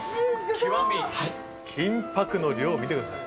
金ぱくの量見てください。